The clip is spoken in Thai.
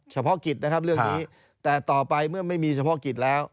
เฉพาะกิจนะครับเรื่องนี้แต่ต่อไปเมื่อไม่มีเฉพาะกิจแล้ว